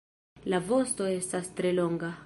La vosto estas tre longa.